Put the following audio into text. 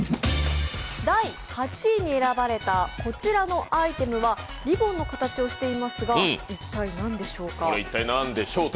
第８位に選ばれたこちらのアイテムはリボンの形をしていますが、一体何でしょうか？